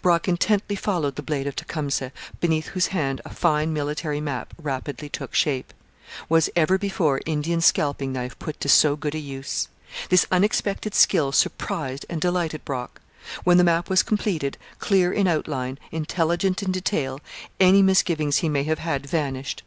Brock intently followed the blade of Tecumseh, beneath whose hand a fine military map rapidly took shape. Was ever before Indian scalping knife put to so good a use! This unexpected skill surprised and delighted Brock. When the map was completed, clear in outline, intelligent in detail, any misgivings he may have had vanished.